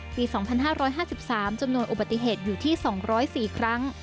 ปี๒๕๕๓จำนวนอุบัติเหตุอยู่ที่๒๐๔ครั้ง